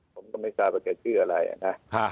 ผมก็ไม่ทราบว่าจะชื่ออะไรนะ